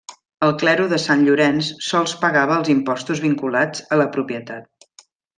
El clero de sant Llorenç sols pagava els impostos vinculats a la propietat.